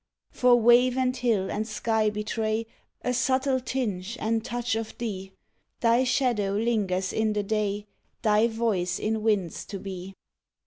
For wave and hill and sky betray A subtle tinge and touch of thee; Thy shadow lingers in the day, Thy voice in winds to be.